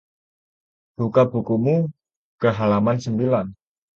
Buka bukumu ke halaman sembilan.